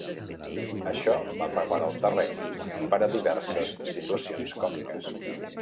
Això va preparar el terreny per a diverses situacions còmiques.